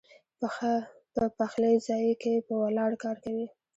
پۀ پخلي ځائے کښې پۀ ولاړه کار کوي